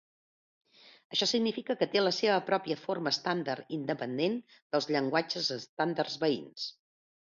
Això significa que té la seva pròpia forma estàndard independent dels llenguatges estàndards veïns.